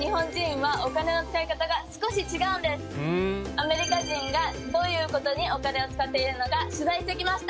アメリカ人がどういう事にお金を使っているのか取材してきました。